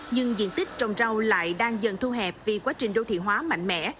nhưng diện tích trồng rau lại đang dần thu hẹp vì quá trình đô thị hóa mạnh mẽ